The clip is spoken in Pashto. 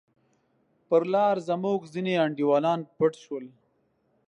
پر لار زموږ ځیني انډیوالان پټ شول.